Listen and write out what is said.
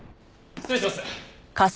失礼します。